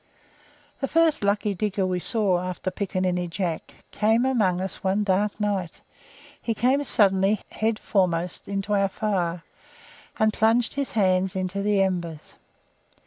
The first lucky digger we saw, after Picaninny Jack, came among us one dark night; he came suddenly, head foremost, into our fire, and plunged his hands into the embers.